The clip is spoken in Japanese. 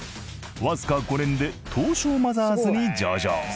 わずか５年で東証マザーズに上場。